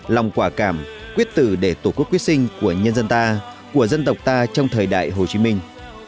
lòng quả cảm quyết tử để tổ quốc quyết sinh của nhân dân ta của dân tộc ta trong thời đại hồ chí minh